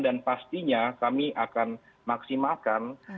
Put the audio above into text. dan pastinya kami akan maksimalkan